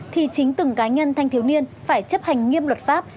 thì chính từng cá nhân thanh thiếu niên phải chấp hành nghiêm luật pháp